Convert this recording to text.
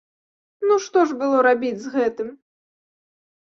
Ну што ж было рабіць з гэтым?